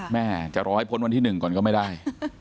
แม่จะรอให้พ้นวันที่๑ก่อนก็ไม่ได้